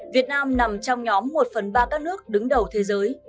việt nam nằm trong nhóm một phần ba các nước đứng đầu thế giới